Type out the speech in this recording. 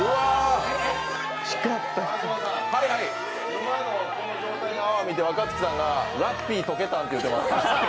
今のこの状態の泡を見て若槻さんが、ラッピー溶けたって言ってました。